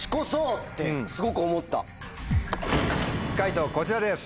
解答こちらです。